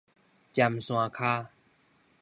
尖山跤